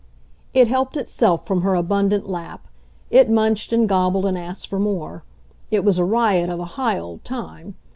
It helped itself from her abundant lap; it munched and gobbled and asked for more. It was a riot of a high old time.